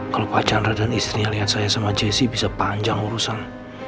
kalau pak chandra dan istri lihat saya sama jessie bisa panjang urusan